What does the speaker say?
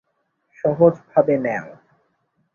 সহজ ভাবে নেও।